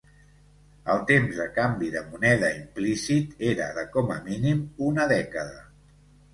El temps de canvi de moneda implícit era de com a mínim una dècada.